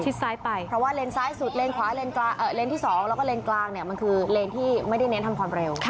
ซ้ายไปเพราะว่าเลนซ้ายสุดเลนขวาเลนส์ที่๒แล้วก็เลนกลางเนี่ยมันคือเลนที่ไม่ได้เน้นทำความเร็ว